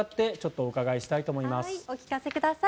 お聞かせください。